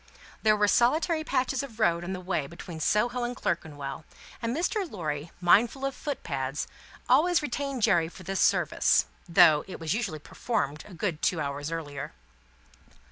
There were solitary patches of road on the way between Soho and Clerkenwell, and Mr. Lorry, mindful of foot pads, always retained Jerry for this service: though it was usually performed a good two hours earlier.